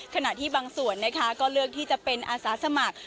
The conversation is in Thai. ขณะที่บางส่วนนะคะก็เลือกที่จะเป็นอาสาสมัคร